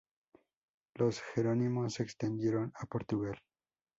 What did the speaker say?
Los jerónimos se extendieron a Portugal.